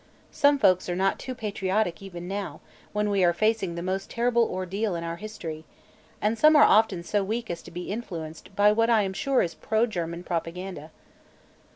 Some folks are not too patriotic, even now, when we are facing the most terrible ordeal in our history, and some are often so weak as to be influenced by what I am sure is pro German propaganda."